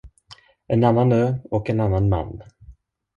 En annan ö och en annan man.